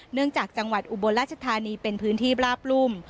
เนื่องจากจังหวัดอุโบราชธานีเป็นพื้นที่บราบรุ่ม